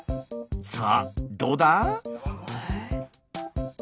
さあどうだ？